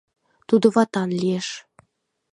Тудо ватан лиеш.